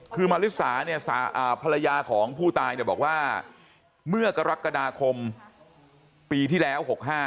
คือมาริสาเนี่ยภรรยาของผู้ตายเนี่ยบอกว่าเมื่อกรกฎาคมปีที่แล้ว๖๕